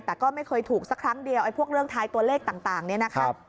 แต่ก็ไม่เคยถูกสักครั้งเดียวไอ้พวกเรื่องท้ายตัวเลขต่างเนี่ยนะคะ